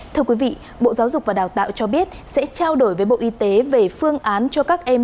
thưa quý vị bộ giáo dục và đào tạo cho biết sẽ trao đổi với bộ y tế về phương án cho các em